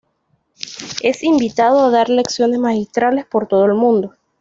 Es invitado a dar lecciones magistrales por todo el mundo.